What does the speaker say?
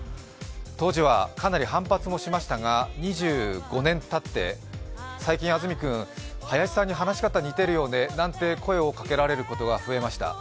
当時はかなり反発もしましたが２５年たって最近、安住君、ハヤシさんに話し方似てるよねと声をかけられることが増えました。